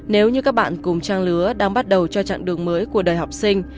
nếu như các bạn cùng trang lứa đang bắt đầu cho chặng đường mới của đời học sinh